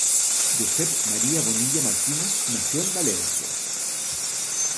Josep Maria Bonilla Martínez nació en Valencia.